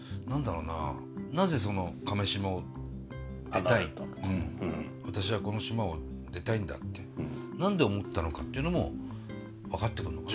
なぜその亀島を出たいと私はこの島を出たいんだって何で思ったのかっていうのも分かってくるのかな？